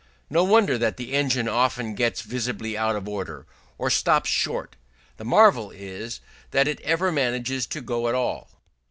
No wonder that the engine often gets visibly out of order, or stops short: the marvel is that it ever manages to go at all.